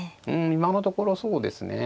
今のところそうですね。